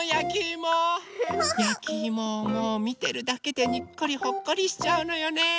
やきいもをもうみてるだけでにっこりほっこりしちゃうのよね。